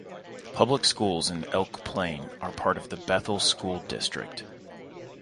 Public schools in Elk Plain are part of the Bethel School District.